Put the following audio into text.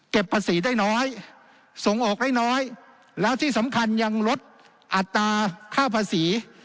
ภาษีได้น้อยส่งออกได้น้อยแล้วที่สำคัญยังลดอัตราค่าภาษี